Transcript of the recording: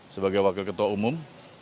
sebagai wakil ketua umum